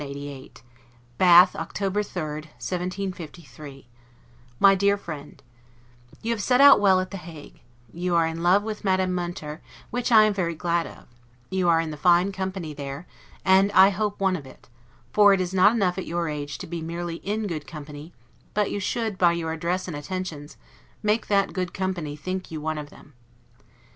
LETTER CLXXXVIII BATH, October 3, 1753 MY DEAR FRIEND: You have set out well at The Hague; you are in love with Madame Munter, which I am very glad of: you are in the fine company there, and I hope one of it: for it is not enough, at your age, to be merely in good company; but you should, by your address and attentions, make that good company think you one of them.